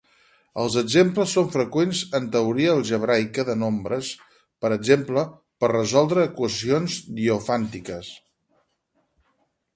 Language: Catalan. Els exemples són freqüents en teoria algebraica de nombres, per exemple per resoldre equacions diofàntiques.